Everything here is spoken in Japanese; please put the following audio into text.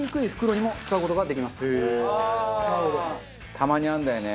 たまにあるんだよね。